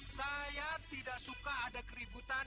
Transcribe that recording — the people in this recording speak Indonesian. saya tidak suka ada keributan